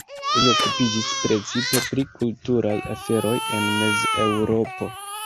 Li okupiĝis precipe pri kulturaj aferoj en Mez-Eŭropo.